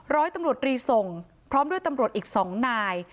ร้อยตำรวจรีส่งพร้อมด้วยตำรวจอีก๒นาย